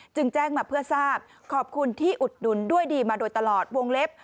แจ้งมาเพื่อทราบขอบคุณที่อุดหนุนด้วยดีมาโดยตลอดวงเล็บ